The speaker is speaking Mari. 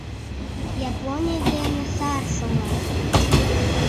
Японий дене сар шога.